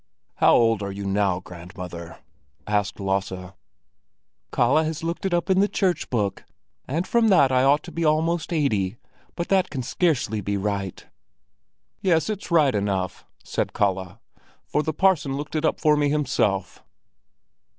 "How old are you now, grandmother?" asked Lasse. "Kalle has looked it up in the church book, and from that I ought to be almost eighty; but that can scarcely be right." "Yes, it's right enough," said Kalle, "for the parson looked it up for me himself."